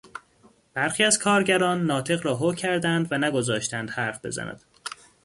برخی از کارگران ناطق را هو کردند و نگذاشتند حرف بزند.